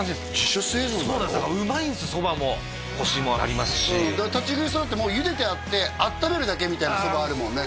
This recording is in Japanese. そうなんですだからうまいんですそばもコシもありますし立ち食いそばってもうゆでてあってあっためるだけみたいなそばあるもんね